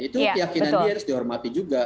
itu keyakinan dia harus dihormati juga